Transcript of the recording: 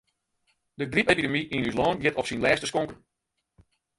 De grypepidemy yn ús lân giet op syn lêste skonken.